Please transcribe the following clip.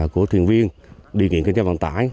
của thuyền viên điều kiện kiểm tra bận tải